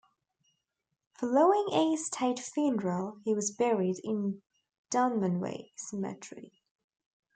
Following a state funeral, he was buried in Dunmanway Cemetery.